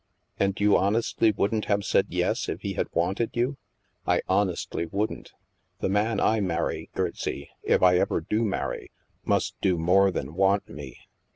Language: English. " And you honestly wouldn't have said yes, if he had wanted you?" " I honestly wouldn't. The man I marry, Gertsie, if I ever do marry, must do more than want me.